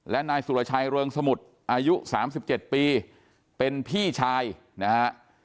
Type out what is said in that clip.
และนายสุรชายเริงสมุทรอายุสามสิบเจ็ดปีเป็นพี่ชายนะฮะ